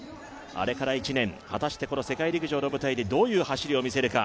あれから１年、果たしてこの世界陸上の舞台でどういう走りを見せるか。